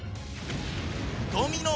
ドミノ